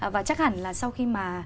và chắc hẳn là sau khi mà